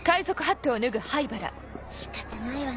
仕方ないわね